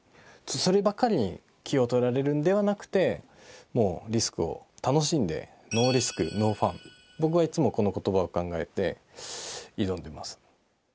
そればかりに気を取られるんではなくてもうリスクを楽しんで僕はいつもこの言葉を考えて挑んでます。